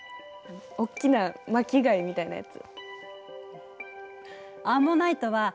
おっきな巻き貝みたいなやつ。